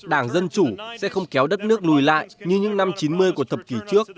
đảng dân chủ sẽ không kéo đất nước lùi lại như những năm chín mươi của thập kỷ trước